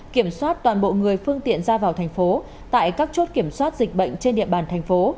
kiểm soát toàn bộ người phương tiện ra vào thành phố tại các chốt kiểm soát dịch bệnh trên địa bàn thành phố